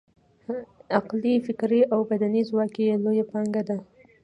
عقلي، فکري او بدني ځواک یې لویه پانګه ده.